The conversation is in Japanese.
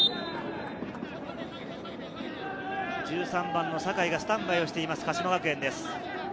１３番の坂井がスタンバイしている鹿島学園です。